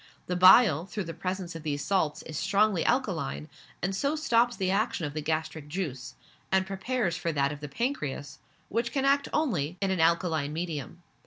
The bile, through the presence of these salts, is strongly alkaline, and so stops the action of the gastric juice, and prepares for that of the pancreas, which can act only in an alkaline medium.